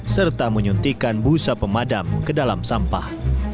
serta menyuntikkan busa pemadam ke dalam sampah